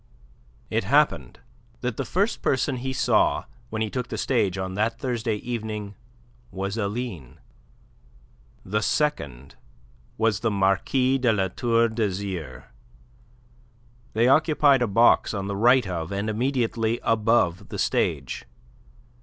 It happened that the first person he saw when he took the stage on that Thursday evening was Aline; the second was the Marquis de La Tour d'Azyr. They occupied a box on the right of, and immediately above, the stage.